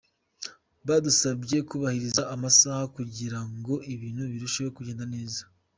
Badusabye kubahiriza amasaha kugira ngo ibintu birusheho kugenda neza.